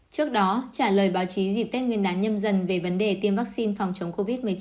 trước đó trả lời báo chí dịp tết nguyên đán nhâm dần về vấn đề tiêm vaccine phòng chống covid một mươi chín